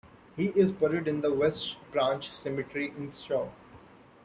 He is buried in the West Branch Cemetery in Stowe.